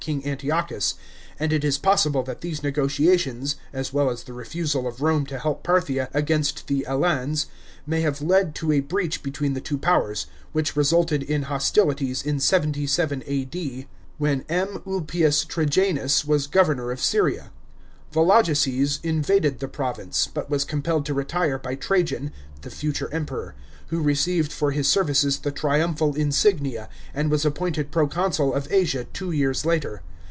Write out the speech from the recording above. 381 King Antiochus, and it is possible that these negotiations, as well as the refusal of Rome to help Parthia against the Alans may have led to a breach between the two powers, which resulted in hostilities in 77 A.D. when M. Ulpius Trajauus was governor of Syria. Volo geses invaded the province, but was compelled to retire by Trajan —the future Emperor — who received for his services the triumphal insignia, and was appointed proconsul of Asia two years later.